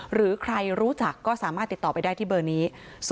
หรือใครรู้จักก็สามารถติดต่อไปได้ที่เบอร์นี้